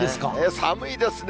寒いですか。